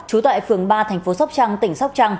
trú tại phường ba thành phố sóc trăng tỉnh sóc trăng